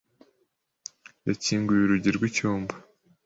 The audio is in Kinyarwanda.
yakinguye urugi rw'icyumba.